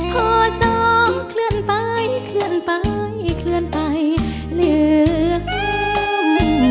ขอซ้อมเคลื่อนไปเคลื่อนไปเคลื่อนไปเลือก